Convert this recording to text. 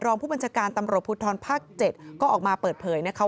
รองผู้บัญชาการตำรวจภูทรภาค๗ก็ออกมาเปิดเผยนะคะ